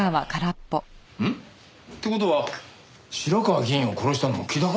んっ？って事は白河議員を殺したのも木田か？